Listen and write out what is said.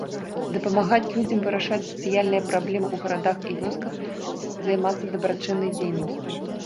Дапамагаць людзям вырашаць сацыяльныя праблемы ў гарадах і вёсках, займацца дабрачыннай дзейнасцю.